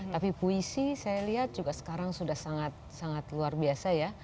tapi puisi saya lihat juga sekarang sudah sangat sangat luar biasa ya